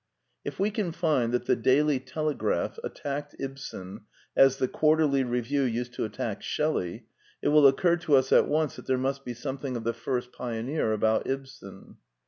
If we can find that The Daily Tele graph attacked Ibsen as The Quarterly Review used to attack Shelley, it will occur to us at once that there must be something of the first pioneer about Ibsen.